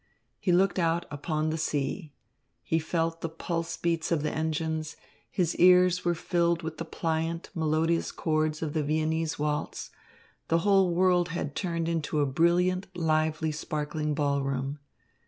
He looked out upon the sea. He felt the pulse beats of the engines, his ears were filled with the pliant, melodious chords of the Viennese waltz; the whole world had turned into a brilliant, lively, sparkling ballroom.